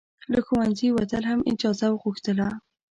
له ښوونځي وتل هم اجازه غوښتله.